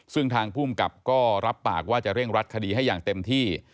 ซึ่งทางภูมิกับก็รับปากว่าจะเร่งรัดคดีให้อย่างเต็มที่